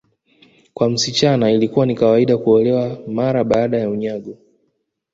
Kwa msichana ilikuwa ni kawaida kuolewa mara baada ya unyago